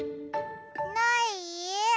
ない？